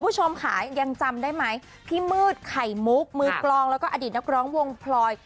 ผู้ชมขายังจำได้มั่ยพี่มืดไข่มุกมืดกลองแล้วก็อดิตนคร้องวงปล่อย